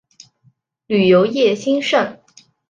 旅游业兴盛。